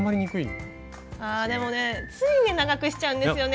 でもねつい長くしちゃうんですよね。